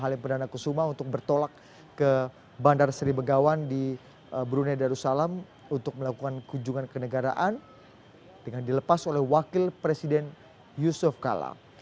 halim perdana kusuma untuk bertolak ke bandara sri begawan di brunei darussalam untuk melakukan kunjungan ke negaraan dengan dilepas oleh wakil presiden yusuf kala